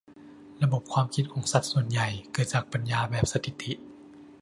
ระบบความคิดของสัตว์ส่วนใหญ่เกิดจากปัญญาแบบสถิติ